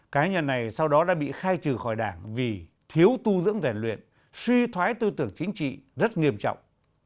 cá nhân này sau đó đã bị khai trừ khỏi đảng vì thiếu tu dưỡng rèn luyện suy thoái tư tưởng chính trị rất nghiêm trọng